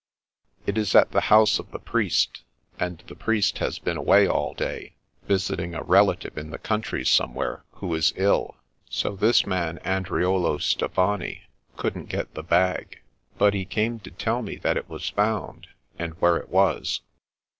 " It is at the house of the priest, and the priest has been away all day, visiting a relative in the country somewhere, who is ill, so this man, Andriolo Stefani, t A Man from the Dark 195 couldn't get the bag. But he came to tell me that it was found, and where it was."